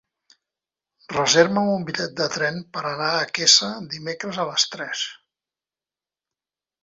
Reserva'm un bitllet de tren per anar a Quesa dimecres a les tres.